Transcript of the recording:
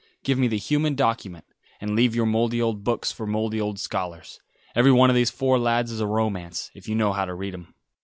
Give me the human document, and leave your mouldy old books for mouldy old scholars. Every one of those four lads is a romance, if you know how to read him."